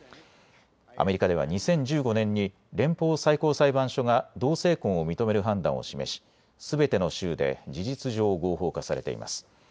アメリカでは２０１５年に連邦最高裁判所が同性婚を認める判断を示し、すべての州で事実上、合法化されています。